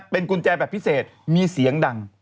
เป็นกุญแจแบบพิเศษมีเสียงดัง